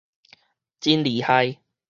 真厲害